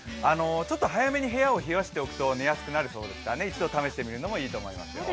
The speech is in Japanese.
ちょっと早めに部屋を冷やしておくと寝やすくなるそうですから、一度、試してみるのもいいと思いますよ。